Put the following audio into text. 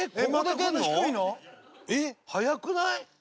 えっ早くない？